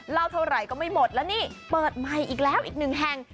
เท่าไหร่ก็ไม่หมดแล้วนี่เปิดใหม่อีกแล้วอีกหนึ่งแห่ง